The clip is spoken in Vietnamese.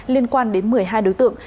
liên quan đến một mươi hai đối tượng